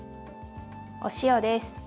お塩です。